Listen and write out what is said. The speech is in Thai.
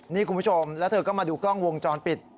นี่คุณผู้ชมแล้วเธอก็มาดูกล้องวงจรปิด